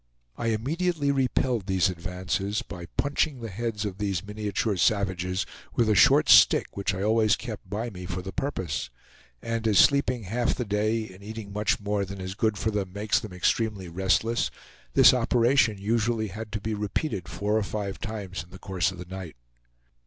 I immediately repelled these advances by punching the heads of these miniature savages with a short stick which I always kept by me for the purpose; and as sleeping half the day and eating much more than is good for them makes them extremely restless, this operation usually had to be repeated four or five times in the course of the night.